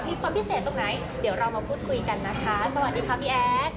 มีความพิเศษตรงไหนเดี๋ยวเรามาพูดคุยกันนะคะสวัสดีค่ะพี่แอด